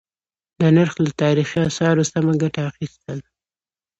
د نرخ له تاريخي آثارو سمه گټه اخيستل: